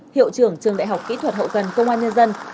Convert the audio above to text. hiệu trưởng trường đại học kỹ thuật hậu cần công an nhân dân